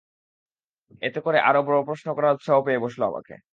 এতে করে আরো প্রশ্ন করার উৎসাহ পেয়ে বসল আমাকে।